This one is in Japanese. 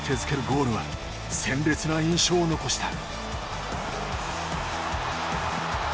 ゴールは鮮烈な印象を残した。